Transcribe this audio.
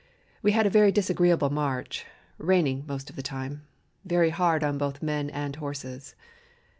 We had a very disagreeable march, raining most of the time, very hard on both men and horses.